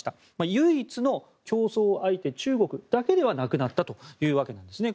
唯一の競争相手は中国だけではなくなったということですね。